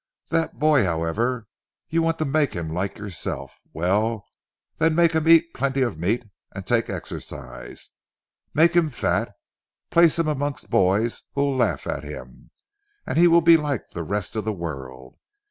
That boy however? You want to make him like yourself. Well then make him eat plenty of meat, and take exercise, make him fat, place him amongst boys who will laugh at him, and he will be like the rest of the world.